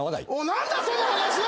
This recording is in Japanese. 何だその話は！